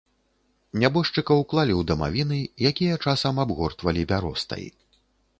Нябожчыкаў клалі ў дамавіны, якія часам абгортвалі бяростай.